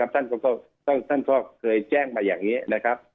ท่านก็เคยแจ้งมาอย่างนี้นะครับ